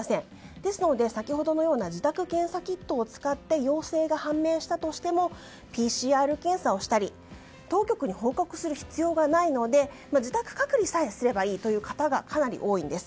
ですので、先ほどのような自宅検査キットを使って陽性が判明したとしてもＰＣＲ検査をしたり当局に報告する必要がないので自宅隔離さえすればいいという方がかなり多いんです。